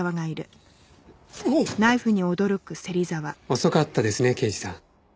遅かったですね刑事さん。